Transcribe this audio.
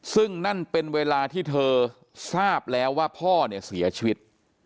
ซึ่งนั่นเป็นเวลาที่เธอทราบแล้วว่าพ่อเนี่ยเสียชีวิต